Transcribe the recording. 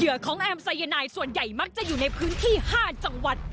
ของแอมสายนายส่วนใหญ่มักจะอยู่ในพื้นที่๕จังหวัด